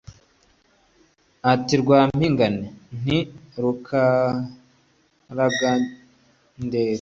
Ati Rwampingane! Nti: Rukaragandekwe nangana n’ababisha iyo duhuye ndarakara.